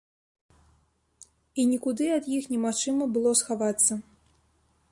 І нікуды ад іх немагчыма было схавацца.